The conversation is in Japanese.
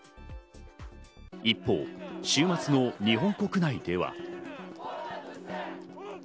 一方、週末の日本国内では。